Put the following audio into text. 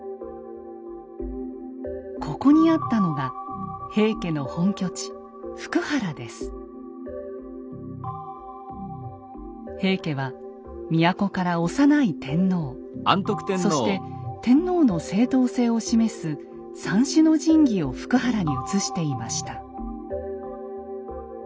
ここにあったのが平家は都から幼い天皇そして天皇の正統性を示す三種の神器を福原に移していました。